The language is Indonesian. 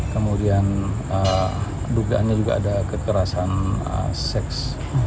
kemudian dugaannya juga ada kekerasan seks